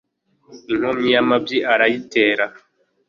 inkomyi y'amabyi irayitera